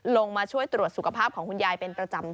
ลงมาช่วยตรวจสุขภาพของคุณยายเป็นประจำ